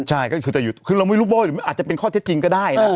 ใช่ก็คือจะหยุดคือเราไม่รู้โบ้หรืออาจจะเป็นข้อเท็จจริงก็ได้นะ